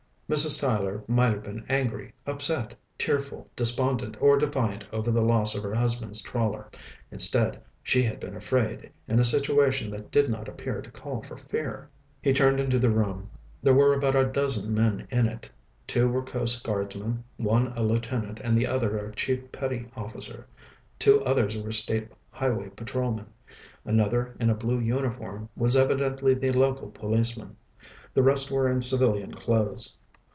Mrs. Tyler might have been angry, upset, tearful, despondent, or defiant over the loss of her husband's trawler. Instead, she had been afraid in a situation that did not appear to call for fear. He turned into the room. There were about a dozen men in it. Two were Coast Guardsmen, one a lieutenant and the other a chief petty officer. Two others were state highway patrolmen. Another, in a blue uniform, was evidently the local policeman. The rest were in civilian clothes.